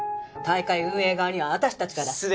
大会運営側には私たちから。